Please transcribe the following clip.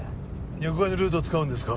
若琥会のルート使うんですか？